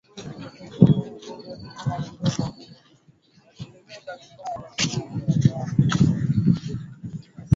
kama Mangi Shangali wa ukoo wa Mushi kutoka Machame Mangi Rindi aliyeingia mikataba na